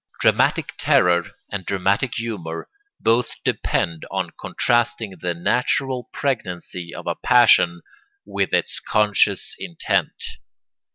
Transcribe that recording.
Dramatic terror and dramatic humour both depend on contrasting the natural pregnancy of a passion with its conscious intent.